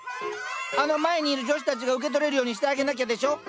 あの前にいる女子たちが受け取れるようにしてあげなきゃでしょ。